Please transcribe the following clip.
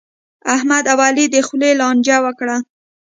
احمد او علي د خولې لانجه وکړه.